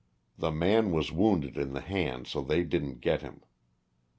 The man was wounded in the hand;, so they didn't get him.